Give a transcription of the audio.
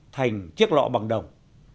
thành chiếc lọ bằng đồng